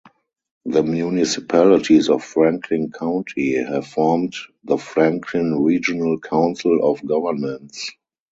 The municipalities of Franklin County have formed the Franklin Regional Council of Governments.